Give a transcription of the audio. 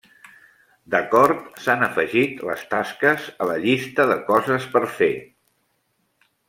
D'acord, s'han afegit les tasques a la llista de coses per fer.